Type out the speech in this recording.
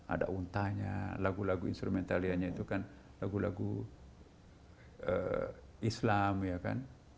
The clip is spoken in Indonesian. ada untanya lagu lagu instrumentalianya itu kan lagu lagu islam ya kan